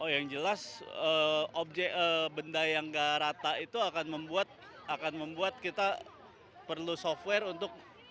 yang jelas objek benda yang nggak rata itu akan membuat kita perlu software untuk